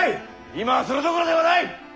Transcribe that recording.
今はそれどころではない！